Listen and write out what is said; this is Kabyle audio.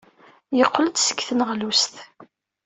Yeqqel-d seg tneɣlust.